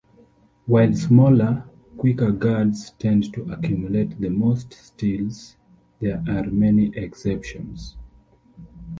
While smaller, quicker guards tend to accumulate the most steals, there are many exceptions.